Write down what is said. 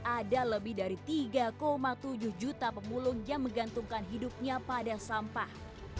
ada lebih dari tiga tujuh juta pemulung yang menggantungkan hidupnya pada sampah